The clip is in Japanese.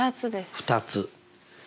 ２つ。